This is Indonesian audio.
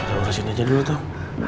ya udah urusin aja dulu tau